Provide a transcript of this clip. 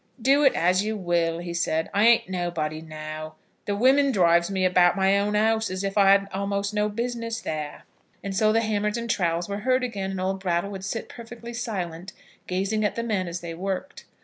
"Do it as you will," he said; "I ain't nobody now. The women drives me about my own house as if I hadn't a'most no business there." And so the hammers and trowels were heard again; and old Brattle would sit perfectly silent, gazing at the men as they worked.